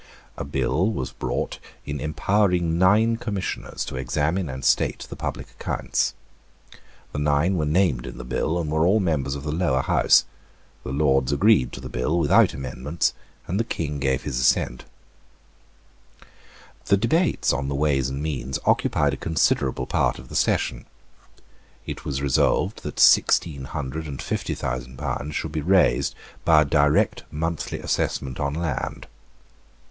A bill was brought in empowering nine Commissioners to examine and state the public accounts. The nine were named in the bill, and were all members of the Lower House. The Lords agreed to the bill without amendments; and the King gave his assent, The debates on the Ways and Means occupied a considerable part of the Session. It was resolved that sixteen hundred and fifty thousand pounds should be raised by a direct monthly assessment on land.